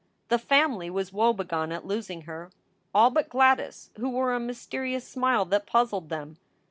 The family was woebegone at losing her all but Gladys, who wore a mysterious smile that puzzled them.